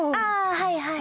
はいはい。